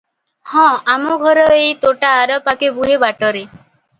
“ହଁ ଆମଘର ଏଇ ତୋଟା ଆରପାଖେ ବୁହେ ବାଟରେ' ।